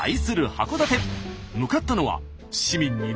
函館。